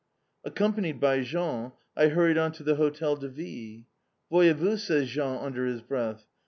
Accompanied by Jean, I hurried on to the Hotel de Ville. "Voyez vous!" says Jean under his breath.